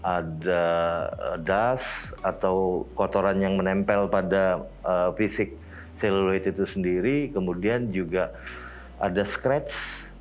ada das atau kotoran yang menempel pada fisik seluloid itu sendiri kemudian juga ada scratch